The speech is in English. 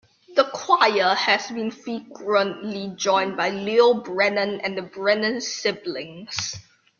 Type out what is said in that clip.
The choir has been frequently joined by Leo Brennan and the Brennan siblings.